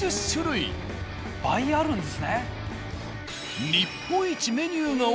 倍あるんですね。